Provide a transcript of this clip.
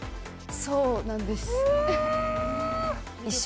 そうなんですうわ！